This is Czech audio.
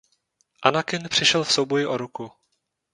Anakin přišel v souboji o ruku.